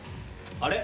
あれ？